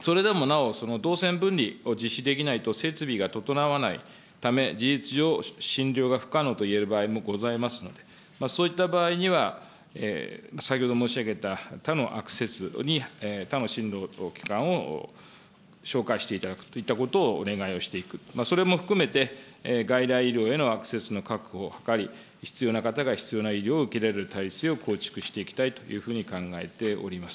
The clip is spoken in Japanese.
それでもなお動線分離を実施できないと、設備が整わないため、事実上、診療が不可能といえる場合もございますので、そういった場合には、先ほど申し上げた、他のアクセスに、他の診療機関を紹介していただくといったことをお願いをしていく、それも含めて、外来医療へのアクセスの確保を図り、必要な方が必要な医療を受けられる体制を構築していきたいというふうに考えております。